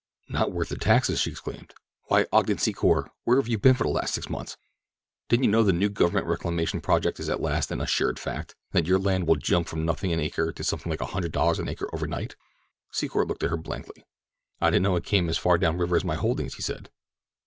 "Not worth the taxes?" she exclaimed. "Why, Ogden Secor, where have you been for the last six months? Didn't you know that the new government reclamation project is at last an assured fact, and that your land will jump from nothing an acre to something like a hundred dollars an acre overnight?" Secor looked at her blankly. "I didn't know it came as far down river as my holdings," he said.